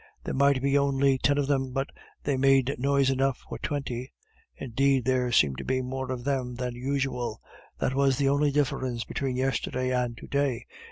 There might be only ten of them, but they made noise enough for twenty; indeed, there seemed to be more of them than usual; that was the only difference between yesterday and to day.